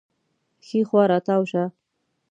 ښي خوا راتاو شه